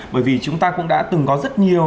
bởi vì chúng ta cũng đã từng có rất nhiều